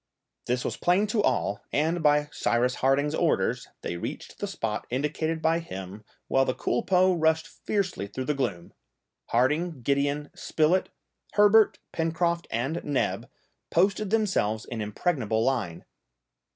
This was plain to all, and, by Cyrus Harding's orders, they reached the spot indicated by him, while the culpeux rushed fiercely through the gloom. Harding, Gideon, Spilett, Herbert, Pencroft, and Neb posted themselves in impregnable line.